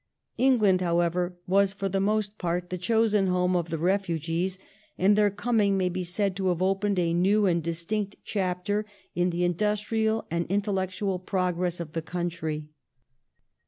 England, however, was for the most part the chosen home of the refugees, and their coming may be said to have opened a new and distinct chapter in the industrial and intellectual progress of the country.